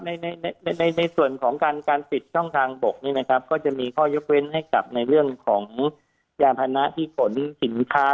ในในในส่วนของการการปิดช่องทางบกนี้นะครับก็จะมีข้อยกเว้นให้กับในเรื่องของยานพนะที่ขนสินค้า